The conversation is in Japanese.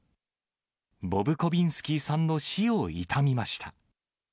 ボブコビンスキーさんの死を悼みました。